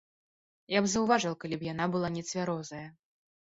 Я б заўважыў, калі б яна была нецвярозая.